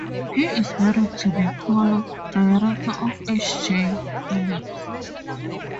He is married to Nicola, Director of H J Phillips.